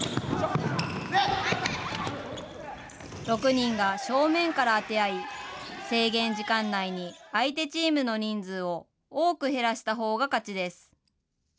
６人が正面から当て合い、制限時間内に相手チームの人数を多く減らしたほうが勝ちです。